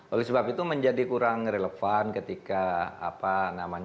oleh sebab itu menjadi kurang relevan ketika